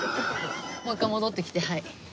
もう一回戻ってきてはい。